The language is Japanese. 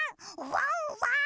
ワンワーン！